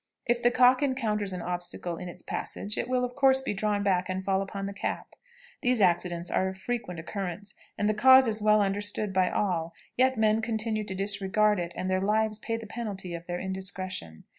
If the cock encounters an obstacle in its passage, it will, of course, be drawn back and fall upon the cap. These accidents are of frequent occurrence, and the cause is well understood by all, yet men continue to disregard it, and their lives pay the penalty of their indiscretion.